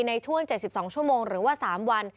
ในช่วง๗๒ชั่วโมงหรือว่า๓วัน